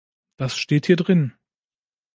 Das steht hier drin.